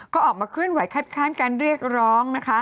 ก็ออกมาเคลื่อนไหวคลัดการเรียกร้อง